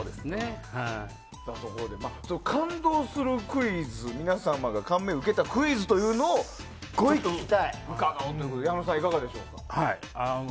感動するクイズ皆様が感銘を受けたクイズというのを伺うということで矢野さん、いかがでしょう。